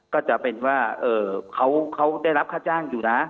ก็จะเป็นว่าเขาได้รับค่าจ้างอยู่นะ